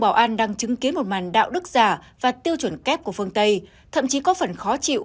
bảo an đang chứng kiến một màn đạo đức giả và tiêu chuẩn kép của phương tây thậm chí có phần khó chịu